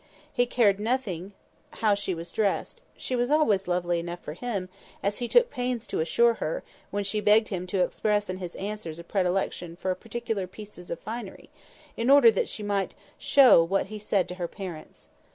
He cared nothing how she was dressed; she was always lovely enough for him, as he took pains to assure her, when she begged him to express in his answers a predilection for particular pieces of finery, in order that she might show what he said to her parents.